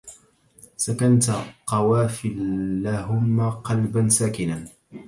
سكنت قوافي الهم قلبا ساكنا